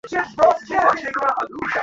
আমাদের বিদায় করে দিতেও এত ভাবনা, এত ঝঞ্ঝাট।